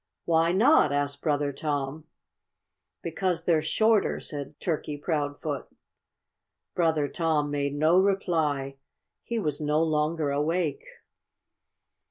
"Why not?" asked Brother Tom. "Because they're shorter," said Turkey Proudfoot. Brother Tom made no reply. He was no longer awake.